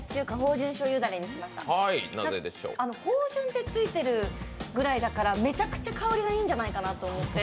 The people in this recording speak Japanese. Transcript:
芳醇ってついているぐらいだからめちゃくちゃ香りがいいんじゃないかなと思って。